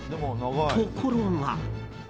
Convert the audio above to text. ところが。